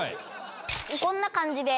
こんな感じで。